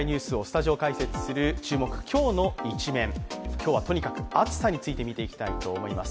今日はとにかく暑さについて見ていきたいと思います。